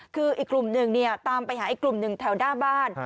คืออีกกลุ่มหนึ่งตามไปหาอีกกลุ่มหนึ่งแถวหน้าบ้าน